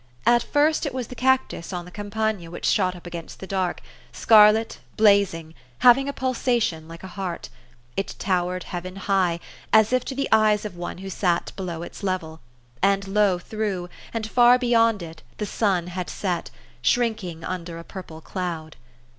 At first it was the cac tus on the campagna which shot up against the dark, scarlet, blazing, having a pulsation Mice a heart ; it towered heaven high, as if to the eyes of one who sat below its level ; and low through, and far beyond it, the sun had set, shrinking under a purple cloud.